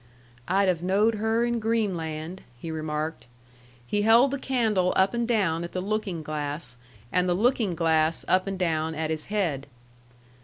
"I'd have knowed her in Greenland," he remarked. He held the candle up and down at the looking glass, and the looking glass up and down at his head.